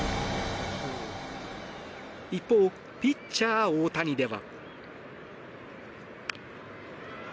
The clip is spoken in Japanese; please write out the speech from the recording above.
一方、ピッチャー大谷では。